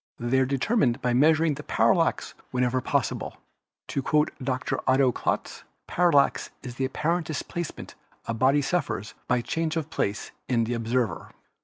They are determined by measuring the parallax wherever pos sible. To quote Dr. Otto Klotz, "Parallax is the apparent displacement a body suffers by change of place in the ob server.